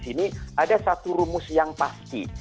di sini ada satu rumus yang pasti